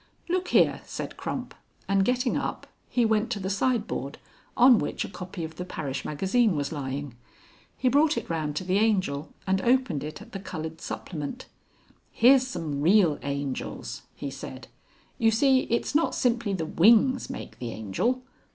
"Look here," said Crump, and getting up, he went to the sideboard on which a copy of the Parish Magazine was lying. He brought it round to the Angel and opened it at the coloured supplement. "Here's some real angels," he said. "You see it's not simply the wings make the Angel.